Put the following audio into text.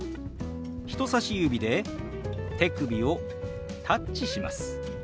人さし指で手首をタッチします。